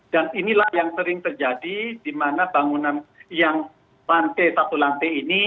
dan inilah yang sering terjadi di mana bangunan yang lantai satu lantai ini